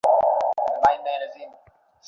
সে অতিথিদের সাথে বসেছে।